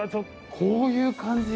こういう感じ